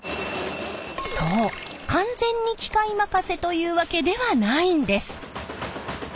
そう完全に機械任せというわけではないんです！